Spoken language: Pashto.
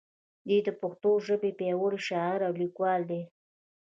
دی د پښتو ژبې پیاوړی شاعر او لیکوال دی.